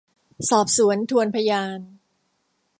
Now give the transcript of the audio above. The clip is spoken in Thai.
สอบสวนทวนพยาน